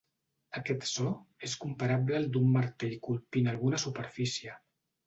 Aquest so és comparable al d'un martell colpint alguna superfície.